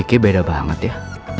kiki beda banget ya